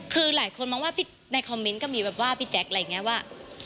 คือหลายคนมองว่าในคอมเมนต์ก็มีแบบว่าพี่แจ๊คอะไรอย่างนี้ว่า